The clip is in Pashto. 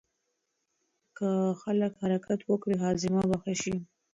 که خلک حرکت وکړي هاضمه به ښه شي.